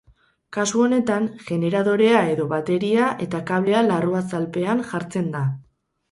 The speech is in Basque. Kasu honetan, generadorea edo bateria eta kablea larruazalpean jartzen da.